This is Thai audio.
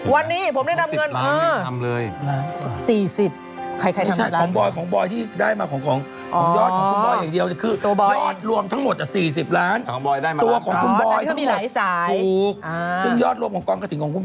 วันนี้ผมในทำเงิน๑๐ล้านบาท๑๐ล้าน